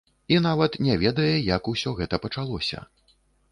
І нават не ведае, як усё гэта пачалося.